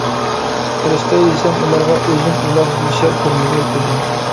كۆرسىتەي دېسەم ئۇلارغا ئۆزۈم ئۇلار دېيىشەر كۆرمىدى كۆزۈم.